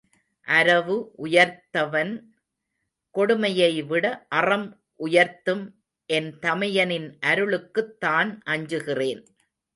அரவு உயர்த்தவன் கொடுமையைவிட அறம் உயர்த்தும் என் தமையனின் அருளுக்குத் தான் அஞ்சுகிறேன்.